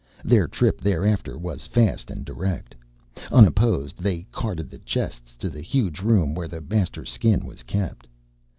Their trip thereafter was fast and direct. Unopposed, they carted the chests to the huge room where the Master Skin was kept.